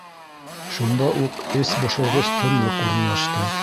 Шунда уҡ эс бошорғос тынлыҡ урынлашты.